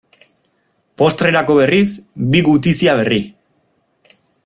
Postrerako berriz, bi gutizia berri.